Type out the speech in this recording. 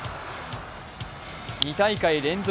２大会連続